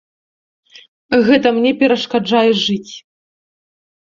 Гэта мне перашкаджае жыць.